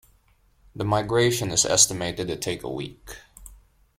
The migration is estimated to take a week.